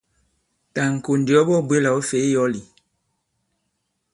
Tà ì-ŋ̀kò ndì ɔ baa-bwě là ɔ̌ fè i yɔ̌l ì?